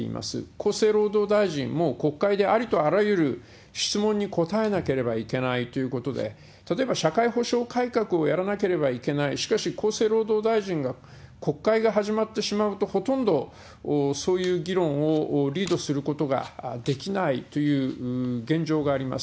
厚生労働大臣も、国会でありとあらゆる質問に答えなければいけないということで、例えば社会保障改革をやらなければいけない、しかし厚生労働大臣が、国会が始まってしまうと、ほとんどそういう議論をリードすることができないという現状があります。